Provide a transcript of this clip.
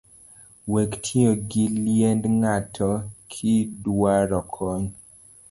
Wek tiyo gi liend ng’ato kiduaro kony